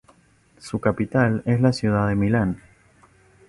Su capital es la ciudad de Milán.